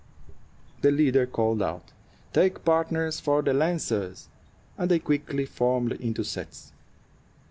The leader called out, "Take partners for the Lancers!" and they quickly formed into sets.